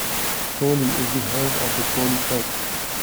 Chorley is the home of the Chorley cake.